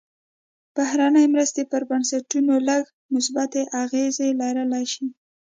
بهرنۍ مرستې پر بنسټونو لږې مثبتې اغېزې لرلی شي.